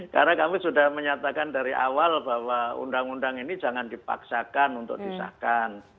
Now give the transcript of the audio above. karena kami sudah menyatakan dari awal bahwa undang undang ini jangan dipaksakan untuk disahkan